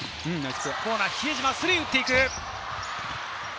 コーナーは比江島、スリーを打っていく。